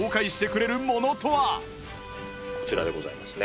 こちらでございますね。